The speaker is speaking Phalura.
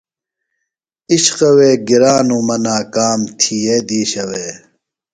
عشقوے گرانوۡ مہ ناکام تھیئے دیشہ وے۔